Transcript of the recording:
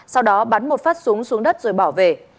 sau đó bắn một phát súng xuống đất rồi bỏ về